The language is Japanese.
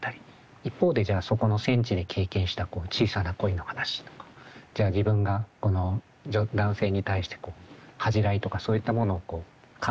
一方でじゃあそこの戦地で経験した小さな恋の話とかじゃあ自分がこの男性に対して恥じらいとかそういったものをこう感じたり。